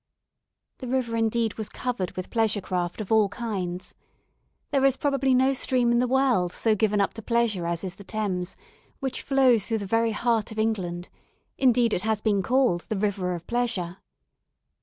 The river indeed was covered with pleasure craft of all kinds. There is probably no stream in the world so given up to pleasure as is the Thames, which flows through the very heart of England; indeed it has been called the "River of Pleasure."